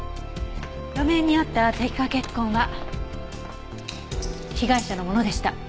路面にあった滴下血痕は被害者のものでした。